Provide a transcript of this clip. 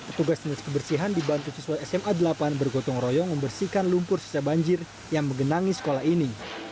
petugas jenis kebersihan dibantu siswa sma delapan bergotong royong membersihkan lumpur sisa banjir yang menggenangi sekolah ini